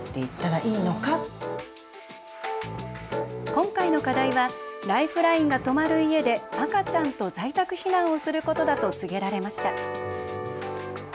今回の課題はライフラインが止まる家で赤ちゃんと在宅避難をすることだと告げられました。